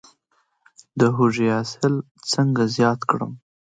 د هوږې حاصل څنګه زیات کړم؟